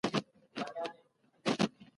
ارامي د دماغ اړتیا ده.